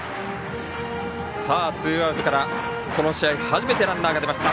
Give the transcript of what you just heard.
ツーアウトからこの試合初めてランナーが出ました。